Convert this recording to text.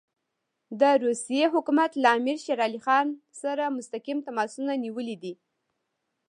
د روسیې حکومت له امیر شېر علي سره مستقیم تماسونه نیولي دي.